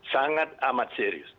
sangat amat serius